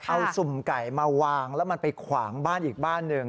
เอาสุ่มไก่มาวางแล้วมันไปขวางบ้านอีกบ้านหนึ่ง